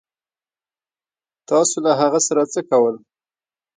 تاسو له هغه سره څه کول